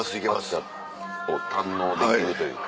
秋田を堪能できるというか。